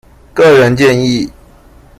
個人建議